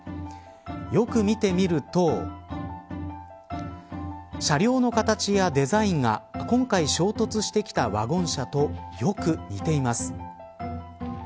よく見てみると車両の形やデザインが今回衝突してきたワゴン車とよく似ています。